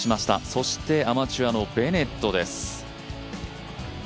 そしてアマチュアのベネットです。